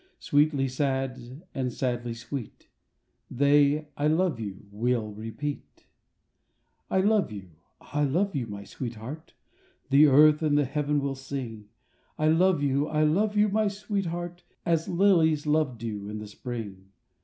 Sweetly sad and sadly sweet They "I love you" will repeat. [ 60 ] SONGS AND DREAMS I love you, I love you, my sweetheart, The earth and the heaven will sing; I love you, I love you, my sweetheart, As lilies love dew in the spring.